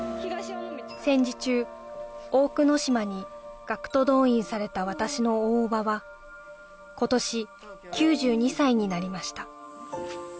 戦時中大久野島に学徒動員された私の大伯母は今年９２歳になりました